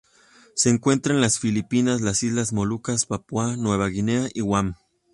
Se encuentra en las Filipinas las Islas Molucas Papúa Nueva Guinea y Guam.